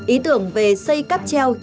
ý tưởng về xây cắp treo chống ủn tắc